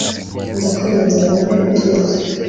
ndakwinginze ngo umpe utuzi